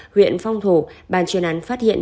huyện phong thổ bàn chuyên án phát hiện